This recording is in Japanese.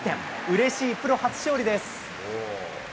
うれしいプロ初勝利です。